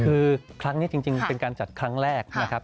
คือครั้งนี้จริงเป็นการจัดครั้งแรกนะครับ